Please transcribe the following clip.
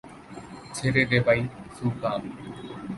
ছেড়ে দে ভাই, সুলতান!